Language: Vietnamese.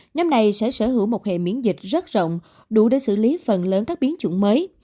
nhóm này sẽ sở hữu một hệ miễn dịch rất rộng đủ để xử lý phần lớn các biến chủng mới